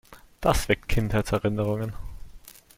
Das weckt Kinderheitserinnerungen.